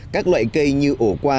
các loại cây như ổ qua